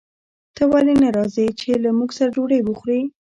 ته ولې نه راځې چې له موږ سره ډوډۍ وخورې